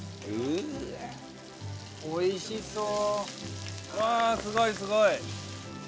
おいしそう！